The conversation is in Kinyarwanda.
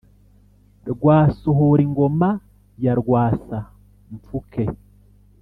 Rwa Sohoringoma ya Rwasa-mpfuke,